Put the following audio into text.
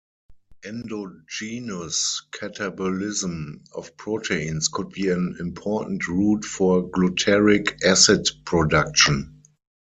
Endogenous catabolism of proteins could be an important route for glutaric acid production.